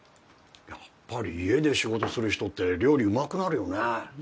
やっぱり家で仕事する人って料理うまくなるよね。